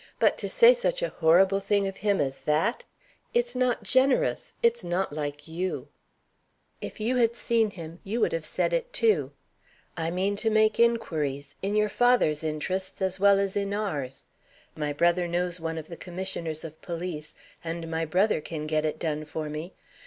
But to say such a horrible thing of him as that It's not generous. It's not like you." "If you had seen him, you would have said it too. I mean to make inquiries in your father's interests as well as in ours. My brother knows one of the Commissioners of Police, and my brother can get it done for me.